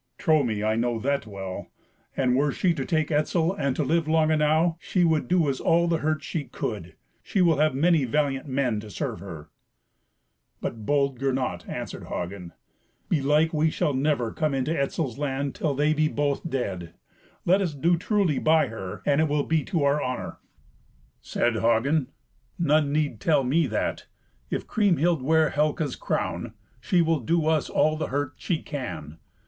"Trow me, I know that well. And were she to take Etzel, and to live long enow, she would do us all the hurt she could. She will have many valiant men to serve her." But bold Gernot answered Hagen, "Belike we shall never come into Etzel's land till they be both dead. Let us do truly by her, and it will be to our honour." Said Hagen, "None need tell me that. If Kriemhild wear Helca's crown, she will do us all the hurt she can.